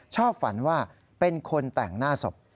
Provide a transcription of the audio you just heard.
ฝันว่าเป็นคนแต่งหน้าศพ